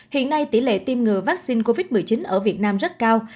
hiện nay tỷ lệ tiêm ngừa vaccine covid một mươi chín ở việt nam rất cao